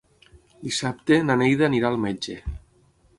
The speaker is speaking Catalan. Dissabte na Neida anirà al metge.